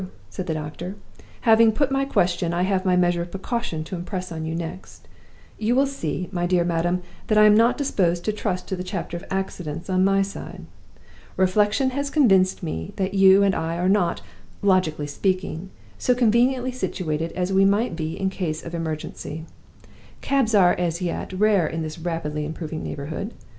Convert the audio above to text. said the doctor. "Having put my question, I have my measure of precaution to impress on you next. You will see, my dear madam, that I am not disposed to trust to the chapter of accidents on my side. Reflection has convinced me that you and I are not (logically speaking) so conveniently situated as we might be in case of emergency. Cabs are, as yet, rare in this rapidly improving neighborhood.